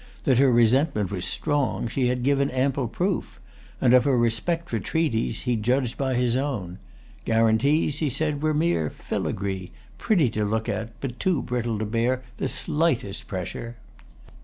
That her resentment was strong she had given ample proof; and of her respect for treaties he judged by his own. Guarantees, he said, were mere filigree, pretty to look at, but too brittle to bear the slightest pressure.